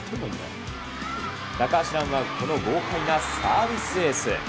高橋藍はこの豪快なサービスエース。